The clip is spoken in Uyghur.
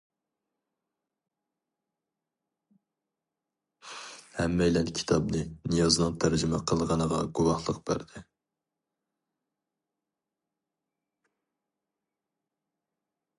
ھەممەيلەن كىتابنى نىيازنىڭ تەرجىمە قىلغىنىغا گۇۋاھلىق بەردى.